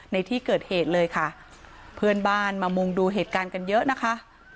ในที่เกิดเหตุเลยค่ะเพื่อนบ้านมามุงดูเหตุการณ์กันเยอะนะคะ